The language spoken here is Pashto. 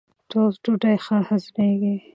ټوسټ ډوډۍ ښه هضمېږي.